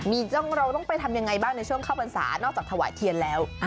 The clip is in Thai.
เราต้องไปทำยังไงบ้างในช่วงเข้าพรรษานอกจากถวายเทียนแล้ว